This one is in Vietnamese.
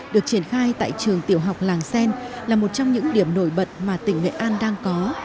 được triển khai tại trường tiểu học làng xen là một trong những điểm nổi bật mà tỉnh nghệ an đang có